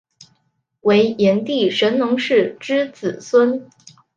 为炎帝神农氏之子孙。